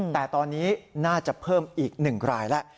แต่ตอนนี้น่าจะเพิ่มอีก๑รายแล้ว